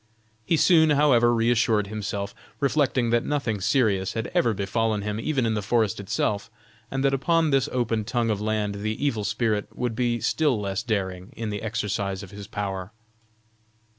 He soon, however, reassured himself, reflecting that nothing serious had ever befallen him even in the forest itself, and that upon this open tongue of land the evil spirit would be still less daring in the exercise of his power.